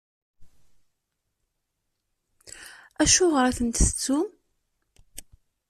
Acuɣeṛ i ten-tettum?